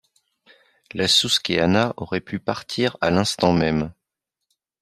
La Susquehanna aurait pu partir à l’instant même.